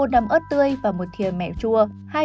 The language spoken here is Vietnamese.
một nắm ớt tươi và một thịa mẹ chua